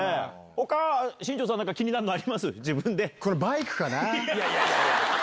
他新庄さん何か気になるのあります？